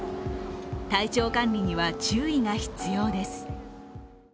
体調管理には注意が必要です。